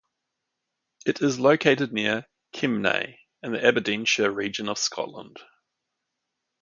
It is located near Kemnay in the Aberdeenshire region of Scotland.